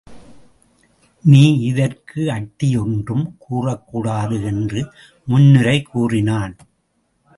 நீ இதற்கு அட்டி ஒன்றும் கூறக்கூடாது என்று முன்னுரை கூறினான்.